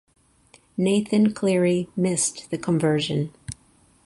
Nathan Cleary missed the conversion.